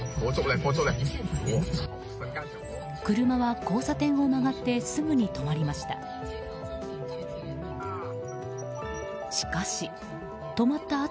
車は交差点を曲がってすぐに止まりました。